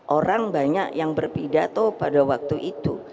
orang banyak yang berpidato pada waktu itu